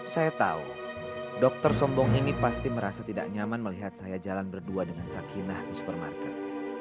saya tahu dokter sombong ini pasti merasa tidak nyaman melihat saya jalan berdua dengan sakinah di supermarket